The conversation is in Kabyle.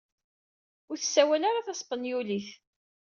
Ur tessawal ara taspenyulit.